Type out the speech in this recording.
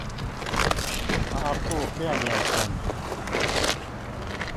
ก็พูดเรื่องเดียวกัน